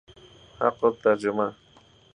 حق الترجمه